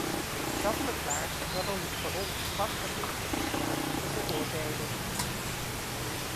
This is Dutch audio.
Dat verklaart waarom het voor ons lastig is de situatie te beoordelen.